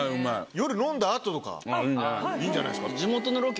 夜飲んだ後とかいいんじゃないですか？